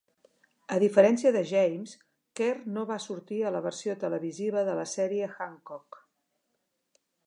A diferència de James, Kerr no sortir a la versió televisiva de la sèrie Hancock.